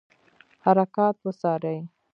حرکات وڅاري.